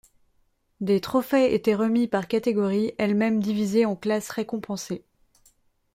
Des trophées étaient remis par catégories, elles-mêmes divisées en classes récompensées.